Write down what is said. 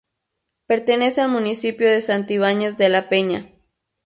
Pertenece al municipio de Santibáñez de la Peña.